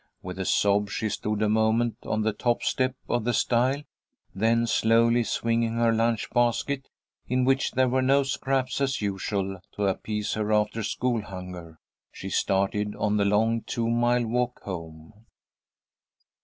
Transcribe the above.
With a sob, she stood a moment on the top step of the stile, then slowly swinging her lunch basket, in which there were no scraps as usual to appease her after school hunger, she started on the long, two mile walk home.